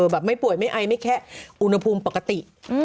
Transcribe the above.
ไม่ป่วยไม่ไอไม่แค่อุณหภูมิปกติ